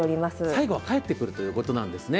最後は帰ってくるということなんですね。